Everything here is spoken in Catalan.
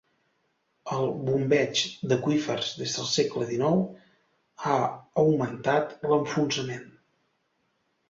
El bombeig d'aqüífers des del segle XIX ha augmentat l'enfonsament.